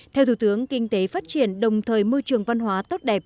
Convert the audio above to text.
theo thủ tướng kinh tế phát triển đồng thời môi trường văn hóa tốt đẹp